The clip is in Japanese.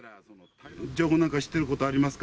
情報なんか知っていることありますか？